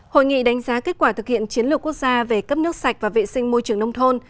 hội nghị đánh giá kết quả thực hiện chiến lược quốc gia về cấp nước sạch và vệ sinh môi trường nông thôn